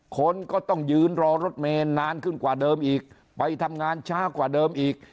คนก็ต้องยืนรอรถเมย์นานขึ้นกว่าเดิมอีกไปทำงานช้ากว่าเดิมอีก